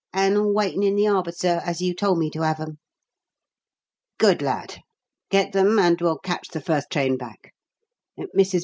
And all waitin' in the arbour, sir, as you told me to have 'em." "Good lad! Get them, and we'll catch the first train back. Mrs.